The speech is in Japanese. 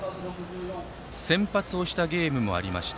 先発をしたゲームもありました。